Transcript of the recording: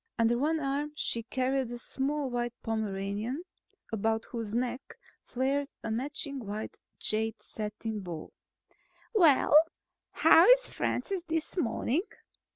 Under one arm she carried a small white Pomeranian about whose neck flared a matching wide jade satin bow. "Well, how is Francis this morning?"